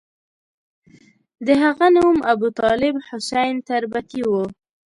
د هغه نوم ابوطالب حسین تربتي وو.